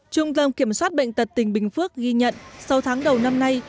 trung tâm kiểm soát bệnh tật tỉnh bình phước ghi nhận sau tháng đầu năm nay